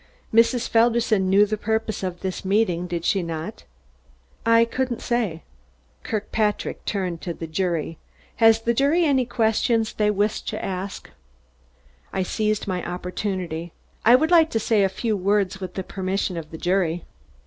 "Mrs. Felderson knew the purpose of the meeting, did she not?" "I couldn't say." Kirkpatrick turned to the jury. "Has the jury any questions they wish to ask?" I seized my opportunity. "I would like to say a few words with the permission of the jury."